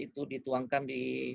itu dituangkan di